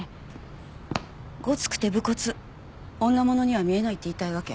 ごつくて武骨女物には見えないって言いたいわけ？